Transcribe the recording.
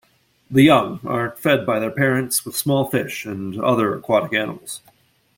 The young are fed by their parents with small fish and other aquatic animals.